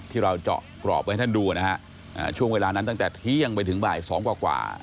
ที่เราเจาะกรอบไว้ให้ท่านดูนะครับ